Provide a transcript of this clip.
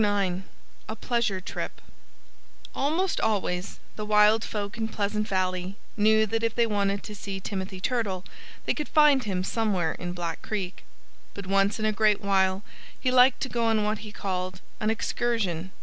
IX A PLEASURE TRIP Almost always the wild folk in Pleasant Valley knew that if they wanted to see Timothy Turtle they could find him somewhere in Black Creek. But once in a great while he liked to go on what he called "an excursion."